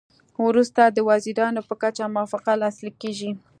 وروسته د وزیرانو په کچه موافقه لاسلیک کیږي